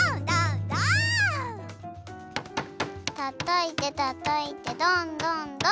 たたいてたたいてどんどんどん！